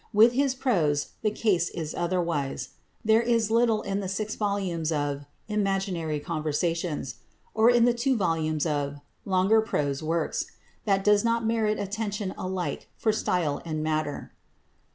With his prose the case is otherwise. There is little in the six volumes of "Imaginary Conversations," or in the two volumes of "Longer Prose Works," that does not merit attention alike for style and matter.